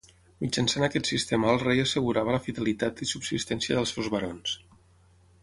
Mitjançant aquest sistema el rei assegurava la fidelitat i subsistència dels seus barons.